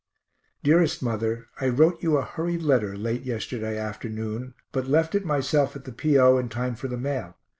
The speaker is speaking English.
_ DEAREST MOTHER I wrote you a hurried letter late yesterday afternoon but left it myself at the P. O. in time for the mail.